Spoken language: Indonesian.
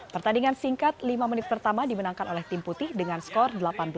pertandingan singkat lima menit pertama dimenangkan oleh tim putih dengan skor delapan belas dua puluh